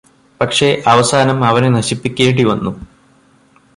പക്ഷേ അവസാനം അവനെ നശിപ്പിക്കേണ്ടിവന്നു